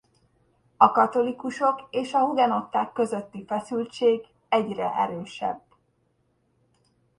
A katolikusok és a hugenották közötti feszültség egyre erősebb.